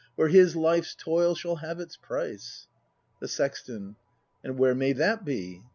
Where his life's toil shall have its price. The Sexton. And where may that be?